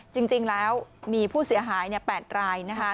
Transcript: จริงแล้วมีผู้เสียหาย๘ราย